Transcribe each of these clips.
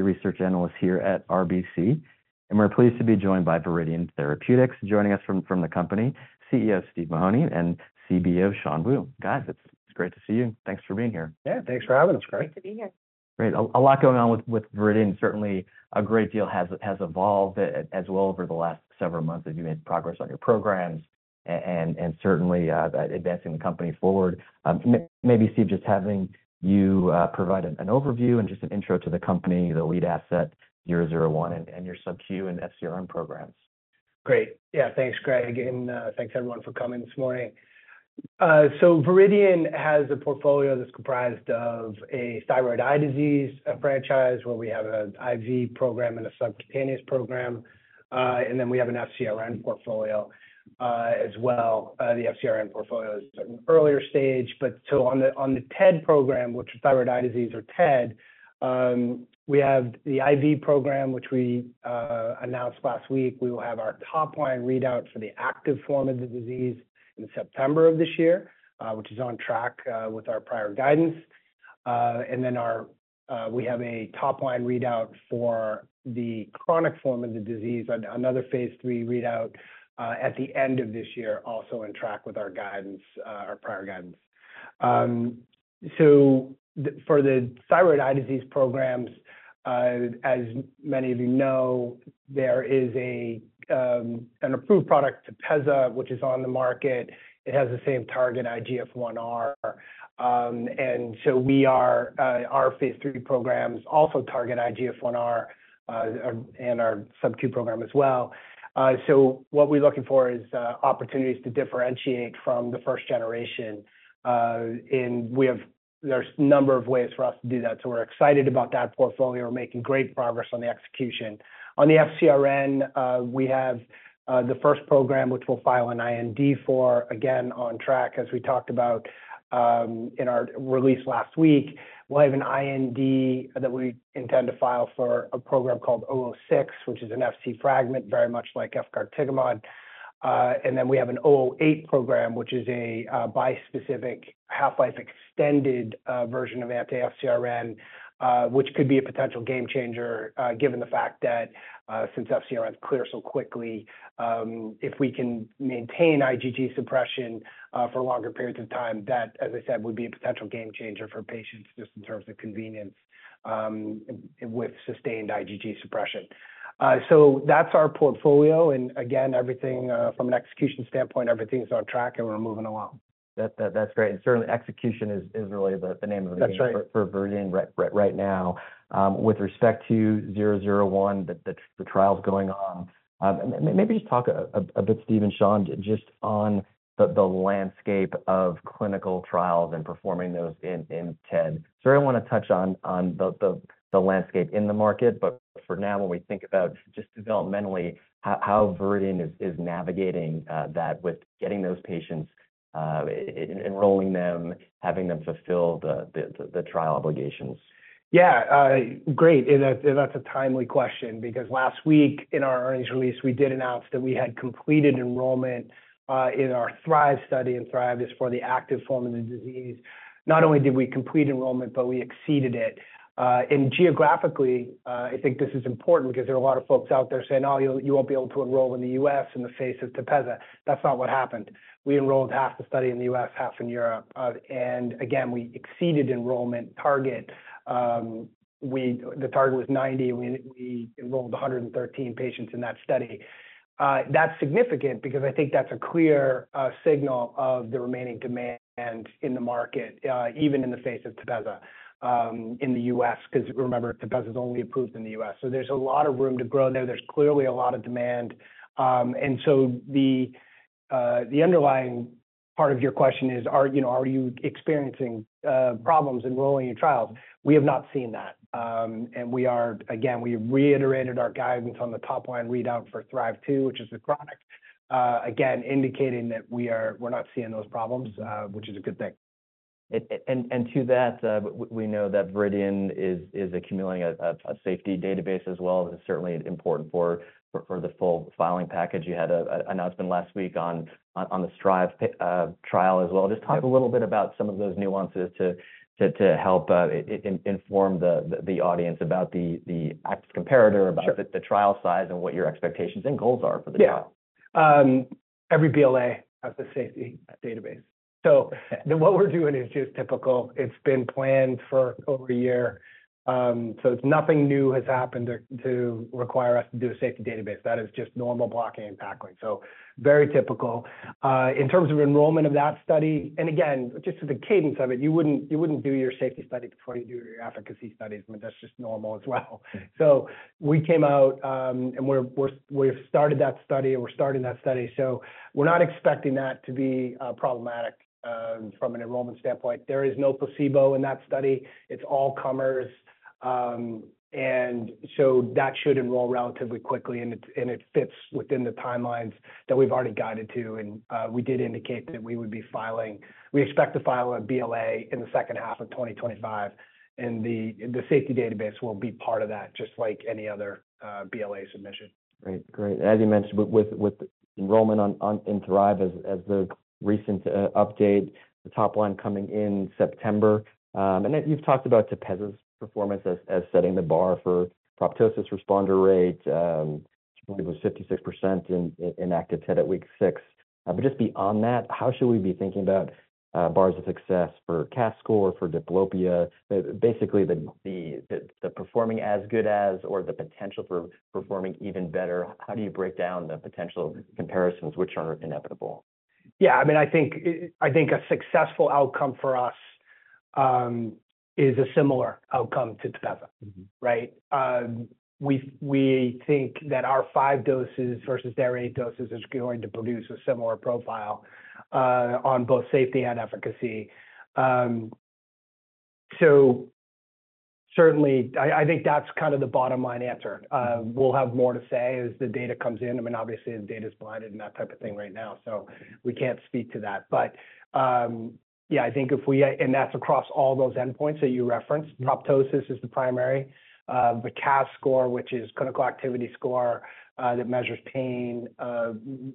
Equity research analyst here at RBC, and we're pleased to be joined by Viridian Therapeutics. Joining us from the company, CEO Steve Mahoney, and CBO Shan Wu. Guys, it's great to see you. Thanks for being here. Yeah, thanks for having us, Greg. Great to be here. Great. A lot going on with Viridian. Certainly, a great deal has evolved as well over the last several months as you made progress on your programs and certainly advancing the company forward. Maybe, Steve, just having you provide an overview and just an intro to the company, the lead asset, 001, and your subQ and FcRn programs. Great. Yeah. Thanks, Greg, and thanks, everyone, for coming this morning. So Viridian has a portfolio that's comprised of a thyroid eye disease franchise where we have an IV program and a subcutaneous program, and then we have an FcRn portfolio as well. The FcRn portfolio is at an earlier stage, but so on the TED program, which is thyroid eye disease, or TED, we have the IV program, which we announced last week. We will have our top-line readout for the active form of the disease in September of this year, which is on track with our prior guidance. And then our... We have a top-line readout for the chronic form of the disease, another phase III readout at the end of this year, also on track with our guidance, our prior guidance. So, for the thyroid eye disease programs, as many of you know, there is an approved product, Tepezza, which is on the market. It has the same target, IGF-1R. And so we are, our phase III programs also target IGF-1R, and our subQ program as well. So what we're looking for is opportunities to differentiate from the first generation, and we have - there's a number of ways for us to do that, so we're excited about that portfolio. We're making great progress on the execution. On the FcRn, we have the first program, which we'll file an IND for, again, on track, as we talked about, in our release last week. We'll have an IND that we intend to file for a program called VRDN-006, which is an Fc fragment, very much like efgartigimod. And then we have a VRDN-008 program, which is a bispecific, half-life extended version of anti-FcRn, which could be a potential game changer, given the fact that, since FcRn is clear so quickly, if we can maintain IgG suppression for longer periods of time, that, as I said, would be a potential game changer for patients just in terms of convenience, with sustained IgG suppression. So that's our portfolio, and again, everything from an execution standpoint, everything is on track, and we're moving along. That, that's great, and certainly, execution is really the name of the game- That's right... for Viridian right now. With respect to 001, the trials going on, maybe just talk a bit, Steve and Shan, just on the landscape of clinical trials and performing those in TED. So I want to touch on the landscape in the market, but for now, when we think about just developmentally, how Viridian is navigating that with getting those patients, enrolling them, having them fulfill the trial obligations. Yeah, great, and that's a timely question because last week in our earnings release, we did announce that we had completed enrollment in our THRIVE study, and THRIVE is for the active form of the disease. Not only did we complete enrollment, but we exceeded it. And geographically, I think this is important because there are a lot of folks out there saying, "Oh, you won't be able to enroll in the US in the face of Tepezza." That's not what happened. We enrolled half the study in the US, half in Europe, and again, we exceeded enrollment target. The target was 90, and we enrolled 113 patients in that study. That's significant because I think that's a clear signal of the remaining demand in the market, even in the face of Tepezza, in the US, because remember, Tepezza is only approved in the US. So there's a lot of room to grow there. There's clearly a lot of demand. And so the underlying part of your question is, you know, are you experiencing problems enrolling your trials? We have not seen that. And we are... Again, we reiterated our guidance on the top-line readout for THRIVE-2, which is the chronic, again, indicating that we are--we're not seeing those problems, which is a good thing. And to that, we know that Viridian is accumulating a safety database as well. It's certainly important for the full filing package. You had an announcement last week on the STRIVE trial as well. Yeah. Just talk a little bit about some of those nuances to help inform the audience about the active comparator- Sure... about the trial size and what your expectations and goals are for the trial. Yeah. Every BLA has a safety database. So what we're doing is just typical. It's been planned for over a year. So nothing new has happened to require us to do a safety database. That is just normal blocking and tackling, so very typical. In terms of enrollment of that study, and again, just to the cadence of it, you wouldn't do your safety study before you do your efficacy studies. I mean, that's just normal as well. So we came out, and we've started that study, and we're starting that study, so we're not expecting that to be problematic from an enrollment standpoint. There is no placebo in that study. It's all comers. And so that should enroll relatively quickly, and it, and it fits within the timelines that we've already guided to, and we did indicate that we would be filing. We expect to file a BLA in the second half of 2025, and the, and the safety database will be part of that, just like any other BLA submission. Great, great. As you mentioned, with enrollment in THRIVE as the recent update, the top line coming in September, and then you've talked about Tepezza's performance as setting the bar for proptosis responder rate, it was 56% in active TED at week six. But just beyond that, how should we be thinking about bars of success for CAS score, for diplopia? Basically, the performing as good as or the potential for performing even better. How do you break down the potential comparisons, which are inevitable? Yeah, I mean, I think, I think a successful outcome for us is a similar outcome to Tepezza. Mm-hmm. Right? We think that our five doses versus their eight doses is going to produce a similar profile on both safety and efficacy. So certainly, I think that's kind of the bottom line answer. We'll have more to say as the data comes in. I mean, obviously, the data is blinded and that type of thing right now, so we can't speak to that. But yeah, I think and that's across all those endpoints that you referenced. Proptosis is the primary, the CAS score, which is clinical activity score, that measures pain,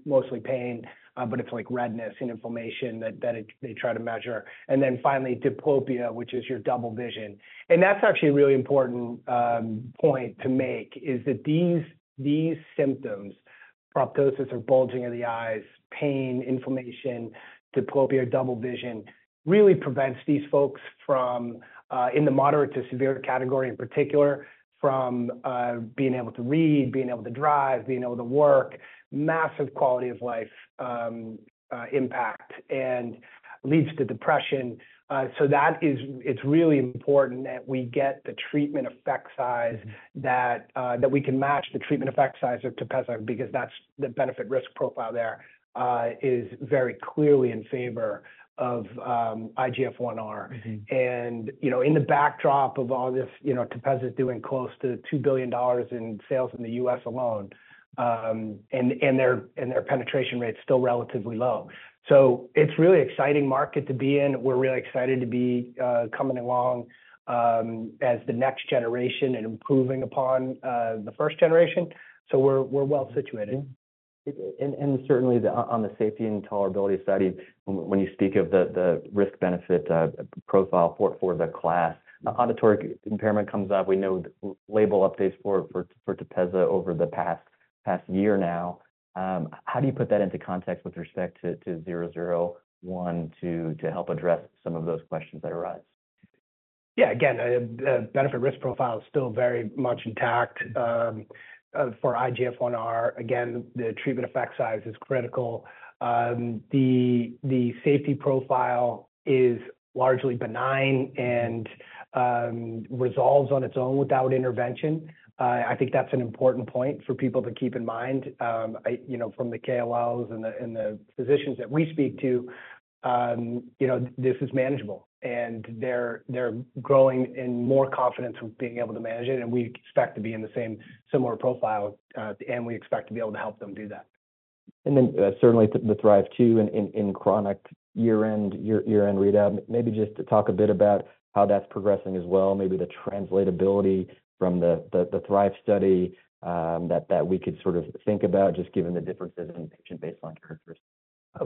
mostly pain, but it's like redness and inflammation that they try to measure. And then finally, diplopia, which is your double vision. And that's actually a really important point to make, is that these symptoms, proptosis or bulging of the eyes, pain, inflammation, diplopia, double vision, really prevents these folks from, in the moderate to severe category, in particular, from being able to read, being able to drive, being able to work, massive quality of life impact and leads to depression. So that is... It's really important that we get the treatment effect size that we can match the treatment effect size of Tepezza, because that's the benefit risk profile there is very clearly in favor of IGF-1R. Mm-hmm. You know, in the backdrop of all this, you know, Tepezza is doing close to $2 billion in sales in the U.S. alone, and their penetration rate is still relatively low. So it's really exciting market to be in. We're really excited to be coming along as the next generation and improving upon the first generation. So we're well situated. And certainly, on the safety and tolerability study, when you speak of the risk-benefit profile for the class, auditory impairment comes up. We know label updates for Tepezza over the past year now. How do you put that into context with respect to VRDN-001 to help address some of those questions that arise? Yeah, again, the benefit risk profile is still very much intact, for IGF-1R. Again, the treatment effect size is critical. The safety profile is largely benign and resolves on its own without intervention. I think that's an important point for people to keep in mind. You know, from the KOLs and the physicians that we speak to, you know, this is manageable, and they're growing in more confidence with being able to manage it, and we expect to be in the same similar profile, and we expect to be able to help them do that. Certainly the THRIVE-2 in chronic TED, TED readout, maybe just to talk a bit about how that's progressing as well, maybe the translatability from the THRIVE study, that we could sort of think about, just given the differences in patient baseline characteristics. Oh,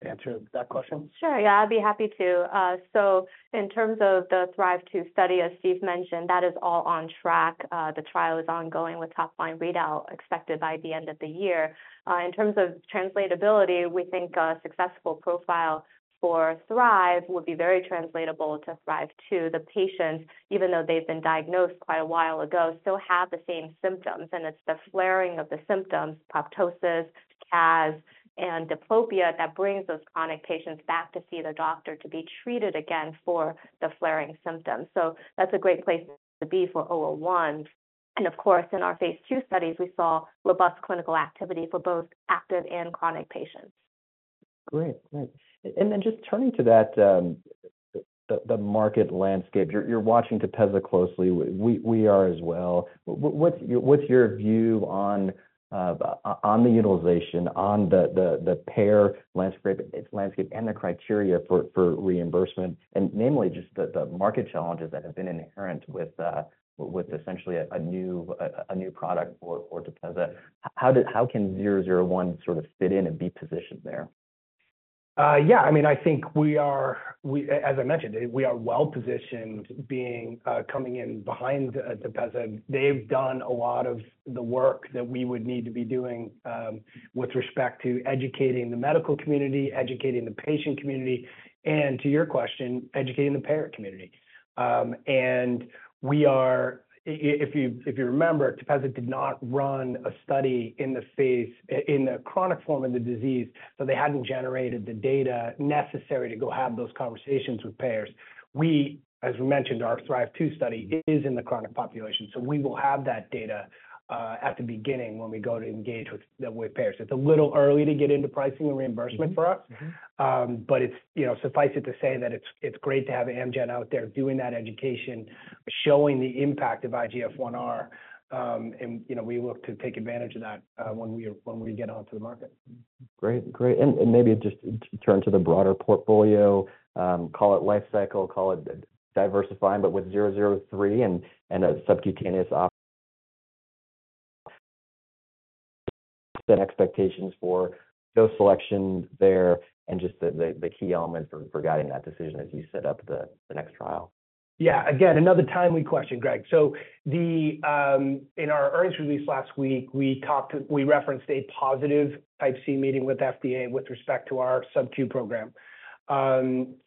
Shan, answer that question? Sure. Yeah, I'd be happy to. So in terms of the THRIVE-2 study, as Steve mentioned, that is all on track. The trial is ongoing, with top line readout expected by the end of the year. In terms of translatability, we think a successful profile for THRIVE would be very translatable to THRIVE-2. The patients, even though they've been diagnosed quite a while ago, still have the same symptoms, and it's the flaring of the symptoms, proptosis, CAS, and diplopia, that brings those chronic patients back to see their doctor to be treated again for the flaring symptoms. So that's a great place to be for 001. And of course, in our phase II studies, we saw robust clinical activity for both active and chronic patients. Great. Great. And then just turning to that, the market landscape, you're watching Tepezza closely. We are as well. What's your view on the utilization, on the payer landscape, its landscape and the criteria for reimbursement, and namely just the market challenges that have been inherent with essentially a new product or Tepezza? How can 001 sort of fit in and be positioned there? Yeah, I mean, I think we are. As I mentioned, we are well-positioned being coming in behind Tepezza. They've done a lot of the work that we would need to be doing with respect to educating the medical community, educating the patient community, and to your question, educating the payer community. And we are if you, if you remember, Tepezza did not run a study in the phase in the chronic form of the disease, so they hadn't generated the data necessary to go have those conversations with payers. We, as we mentioned, our THRIVE-2 study is in the chronic population, so we will have that data at the beginning when we go to engage with payers. It's a little early to get into pricing and reimbursement for us. Mm-hmm. But it's, you know, suffice it to say that it's great to have Amgen out there doing that education, showing the impact of IGF-1R, and, you know, we look to take advantage of that, when we get onto the market. Great. Great. And maybe just turn to the broader portfolio, call it life cycle, call it diversifying, but with 003 and a subcutaneous option set expectations for those selections there and just the key elements for guiding that decision as you set up the next trial? Yeah, again, another timely question, Greg. So in our earnings release last week, we referenced a positive Type C meeting with FDA with respect to our subQ program.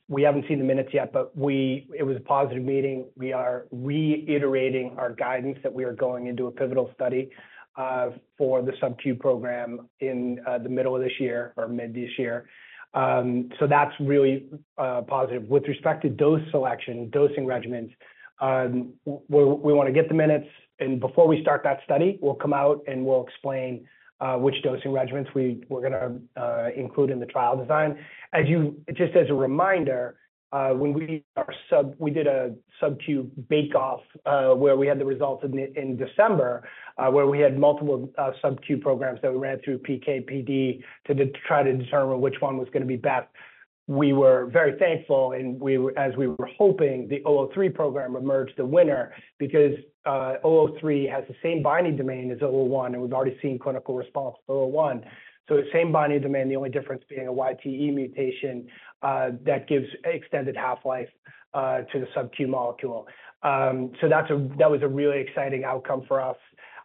We haven't seen the minutes yet, but it was a positive meeting. We are reiterating our guidance that we are going into a pivotal study for the subQ program in the middle of this year or mid this year. So that's really positive. With respect to dose selection, dosing regimens, we wanna get the minutes, and before we start that study, we'll come out, and we'll explain which dosing regimens we're gonna include in the trial design. As you... Just as a reminder, when we did a subQ bake off, where we had the results in December, where we had multiple subQ programs that we ran through PK/PD to try to determine which one was gonna be best. We were very thankful, and as we were hoping, the 003 program emerged the winner because 003 has the same binding domain as 001, and we've already seen clinical response with 001. So the same binding domain, the only difference being a YTE mutation that gives extended half-life to the subQ molecule. So that was a really exciting outcome for us.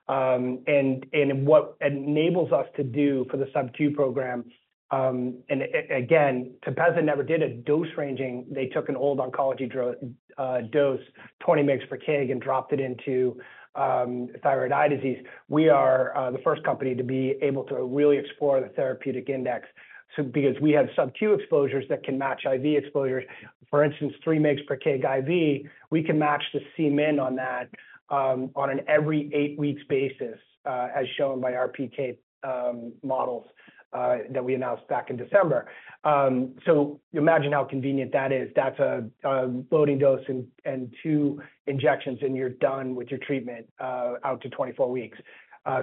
And what enables us to do for the subQ program, and again, Tepezza never did a dose ranging. They took an old oncology drug dose, 20 mg per kg and dropped it into thyroid eye disease. We are the first company to be able to really explore the therapeutic index. So because we have subQ exposures that can match IV exposures, for instance, three mg per kg IV, we can match the Cmin on that on an every eight weeks basis, as shown by our PK models that we announced back in December. So imagine how convenient that is. That's a loading dose and two injections, and you're done with your treatment out to 24 weeks.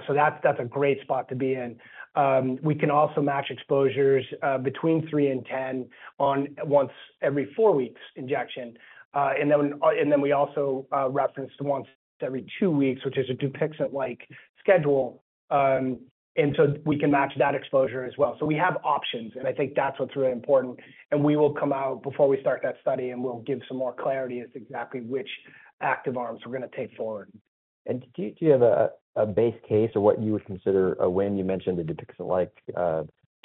So that's a great spot to be in. We can also match exposures between three and 10 on once every four weeks injection. And then we also referenced once every two weeks, which is a Dupixent-like schedule. And so we can match that exposure as well. So we have options, and I think that's what's really important. And we will come out before we start that study, and we'll give some more clarity as to exactly which active arms we're gonna take forward. Do you have a base case or what you would consider a win? You mentioned the Dupixent-like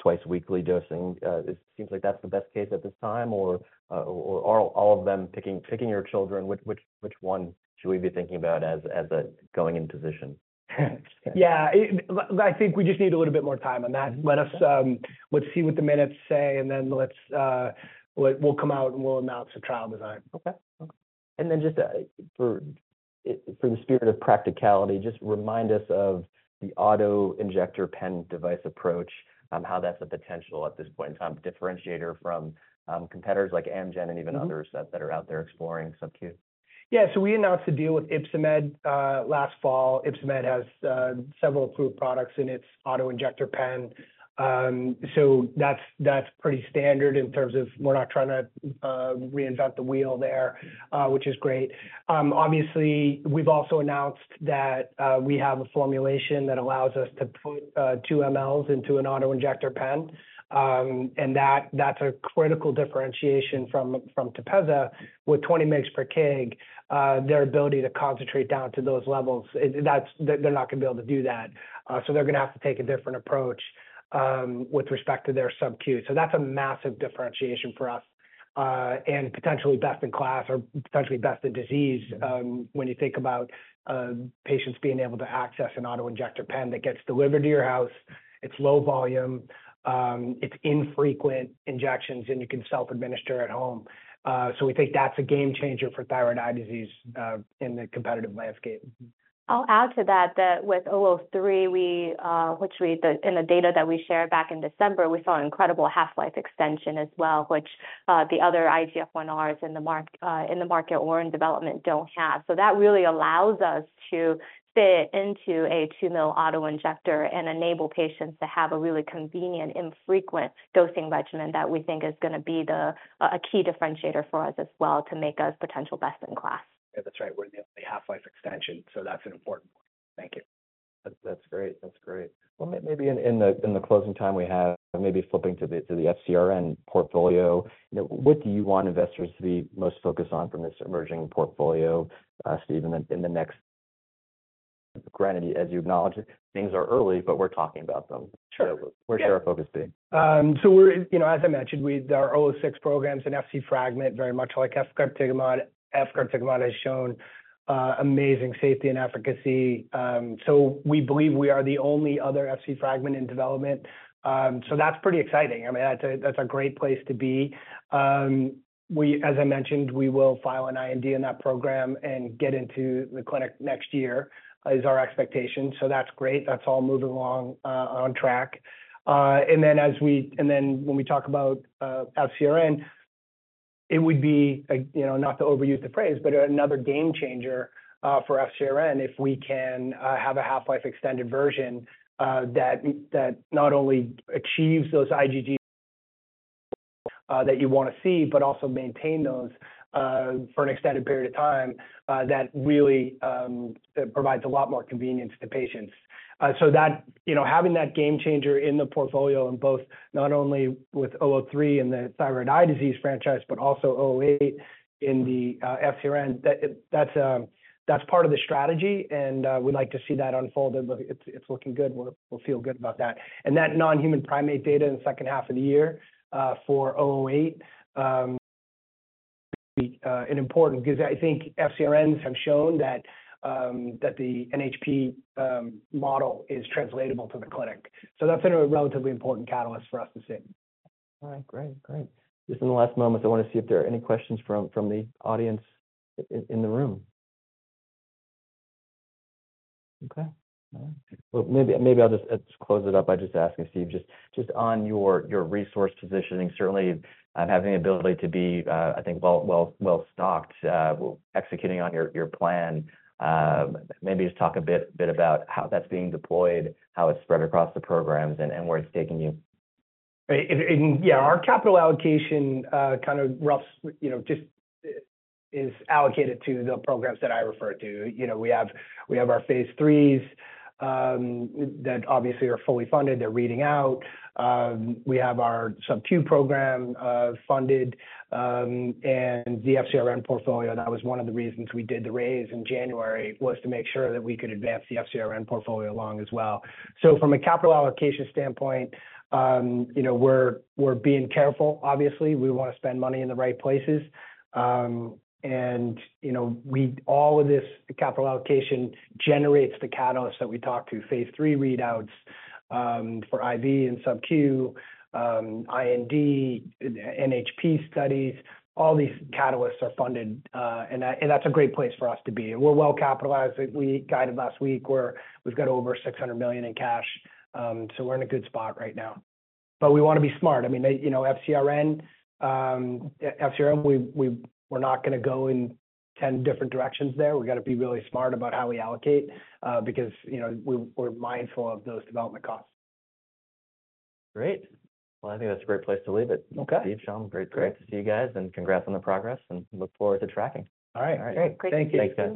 twice-weekly dosing. It seems like that's the best case at this time, or all of them picking your children, which one should we be thinking about as a going-in position? Yeah, I think we just need a little bit more time on that. Let's see what the minutes say, and then let's, we'll come out, and we'll announce the trial design. Okay. And then just for the spirit of practicality, just remind us of the auto-injector pen device approach, how that's a potential at this point in time, differentiator from competitors like Amgen and even others that are out there exploring subQ. Yeah. So we announced a deal with Ypsomed last fall. Ypsomed has several approved products in its auto-injector pen. So that's pretty standard in terms of we're not trying to reinvent the wheel there, which is great. Obviously, we've also announced that we have a formulation that allows us to put two mL into an auto-injector pen. And that's a critical differentiation from Tepezza. With 20 mg per kg, their ability to concentrate down to those levels, that's they're not gonna be able to do that. So they're gonna have to take a different approach with respect to their subQ. So that's a massive differentiation for us, and potentially best in class, or potentially best in disease. When you think about patients being able to access an auto-injector pen that gets delivered to your house, it's low volume, it's infrequent injections, and you can self-administer at home. So we think that's a game changer for thyroid eye disease in the competitive landscape. I'll add to that, that with 003, in the data that we shared back in December, we saw an incredible half-life extension as well, which the other IGF-1Rs in the market or in development don't have. So that really allows us to fit into a 2 mL auto-injector and enable patients to have a really convenient, infrequent dosing regimen that we think is gonna be the a key differentiator for us as well, to make us potential best in class. Yeah, that's right. We're the only half-life extension, so that's an important point. Thank you. That's, that's great. That's great. Well, maybe in the closing time we have, maybe flipping to the FcRn portfolio, what do you want investors to be most focused on from this emerging portfolio, Steve, in the next... Granted, as you acknowledged, things are early, but we're talking about them. Sure. Where should our focus be? So we're, you know, as I mentioned, our 006 program, an Fc fragment, very much like efgartigimod. Efgartigimod has shown amazing safety and efficacy. So we believe we are the only other Fc fragment in development. So that's pretty exciting. I mean, that's a great place to be. We, as I mentioned, we will file an IND in that program and get into the clinic next year, is our expectation, so that's great. That's all moving along on track. And then when we talk about FcRn, it would be like, you know, not to overuse the phrase, but another game changer for FcRn, if we can have a half-life extended version that not only achieves those IgG-... that you wanna see, but also maintain those for an extended period of time, that really provides a lot more convenience to patients. So that, you know, having that game changer in the portfolio in both, not only with 003 and the thyroid eye disease franchise, but also 008 in the FcRn, that it, that's, that's part of the strategy, and we'd like to see that unfolded, but it's, it's looking good. We'll, we'll feel good about that. And that non-human primate data in the second half of the year for 008, an important, because I think FcRns have shown that, that the NHP model is translatable to the clinic. So that's been a relatively important catalyst for us to see. All right. Great, great. Just in the last moment, I wanna see if there are any questions from the audience in the room. Okay. Well, maybe I'll just close it up by just asking Steve, just on your resource positioning, certainly having the ability to be, I think, well-stocked, executing on your plan. Maybe just talk a bit about how that's being deployed, how it's spread across the programs, and where it's taking you. Yeah, our capital allocation, kind of rough, you know, just, is allocated to the programs that I referred to. You know, we have, we have our phase IIIs, that obviously are fully funded. They're reading out. We have our subQ program, funded, and the FcRn portfolio. That was one of the reasons we did the raise in January, was to make sure that we could advance the FcRn portfolio along as well. So from a capital allocation standpoint, you know, we're, we're being careful. Obviously, we wanna spend money in the right places. And, you know, we all of this capital allocation generates the catalyst that we talk to. phase III readouts, for IV and subQ, IND, NHP studies, all these catalysts are funded, and that's a great place for us to be. We're well capitalized. We guided last week, where we've got over $600 million in cash. So we're in a good spot right now, but we wanna be smart. I mean, they, you know, FcRn, FcRn, we're not gonna go in 10 different directions there. We gotta be really smart about how we allocate, because, you know, we're mindful of those development costs. Great! Well, I think that's a great place to leave it. Okay. Steve, Shan, great, great to see you guys, and congrats on the progress, and look forward to tracking. All right. Great. Thank you. Thanks, guys.